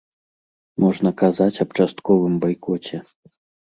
Можна казаць аб частковым байкоце.